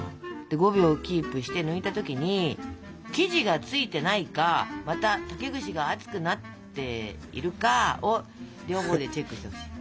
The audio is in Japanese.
で５秒キープして抜いた時に生地がついてないかまた竹串が熱くなっているかを両方でチェックしてほしい。